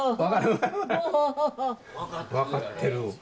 分かってる。